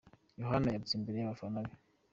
Yohana yarutse imbere y’abafana be